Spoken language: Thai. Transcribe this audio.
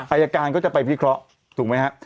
อายการก็จะไปพิเคราะห์ถูกไหมฮะ